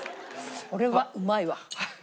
これはうまいわ。